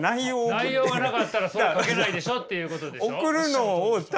内容がなかったらそれ描けないでしょっていうことでしょ。